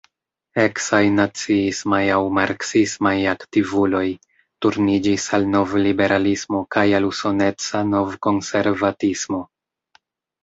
Eksaj naciismaj aŭ marksismaj aktivuloj turniĝis al novliberalismo kaj al usoneca novkonservatismo.